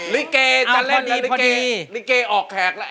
ลิเกจะเล่นแล้วลิเกออกแขกแล้ว